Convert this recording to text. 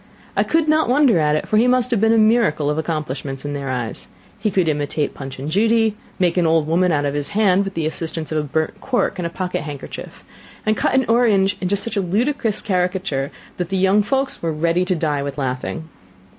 I could not wonder at it; for he must have been a miracle of accomplishments in their eyes. He could imitate Punch and Judy; make an old woman of his hand, with the assistance of a burnt cork and pocket handkerchief: and cut an orange into such a ludicrous caricature, that the young folks were ready to die with laughing.